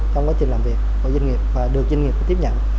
trong quá trình làm việc của doanh nghiệp và được doanh nghiệp tiếp nhận